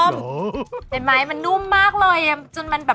เราไม่อย่าเงียดให้เชฟเนาะว่า